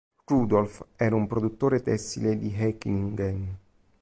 Rudolf era un produttore tessile di Hechingen.